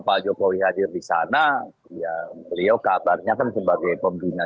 pak jokowi hadir di sana